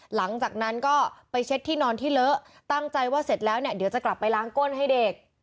หลังจากนั้นก็ไปเช็ดที่นอนที่เลอะตั้งใจว่าเสร็จแล้วเนี่ยเดี๋ยวจะกลับไปล้างก้นให้เด็ก